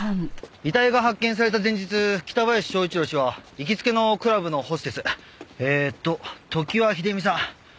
遺体が発見された前日北林昭一郎氏は行きつけのクラブのホステスえーっと常盤秀美さん